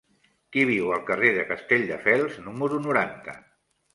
Qui viu al carrer de Castelldefels número noranta?